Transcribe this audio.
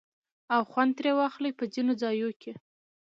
او خوند ترې واخلي په ځينو ځايو کې